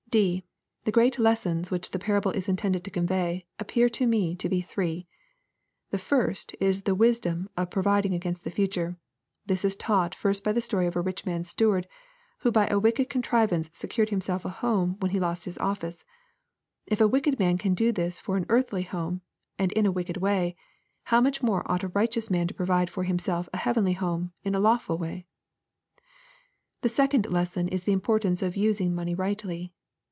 (D). The great lessons which the parable is intended to con vey, appear to me to be three. — Theirs/ is the wisdom of provid ing against the future. This is taught by the story of a rich man's steward, who by a wicked contrivance secured himself a home when he lost his office. If a wicked man can do this for an eartlily home, and in a wicked way, how much more ought a righteous man to provide for himself a heavenly home, in a lawful way ?— The second lesson is the importance of using money rightly.